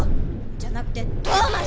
じゃなくてトーマス！